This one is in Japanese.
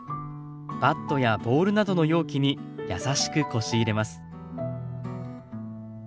バットやボウルなどの容器にやさしくこし入れます。